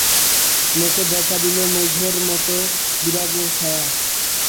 মুখে দেখা দিল মেঘের মতো বিরাগের ছায়া।